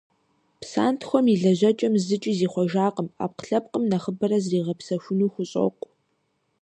Псантхуэм и лэжьэкӀэм зыкӀи зихъуэжакъыми, Ӏэпкълъэпкъым нэхъыбэрэ зригъэгъэпсэхуну хущӀокъу.